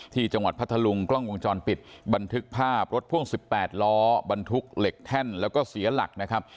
พัทธลุงกล้องวงจรปิดบันทึกภาพรถพ่วง๑๘ล้อบรรทุกเหล็กแท่นแล้วก็เสียหลักนะครับ